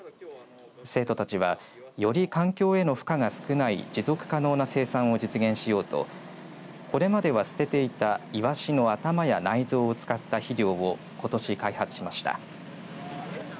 生徒たちはより環境への負荷が少ない持続可能な生産を実現しようとこれまでは捨てていたいわしの頭や内臓を使った肥料を、ことし開発しました。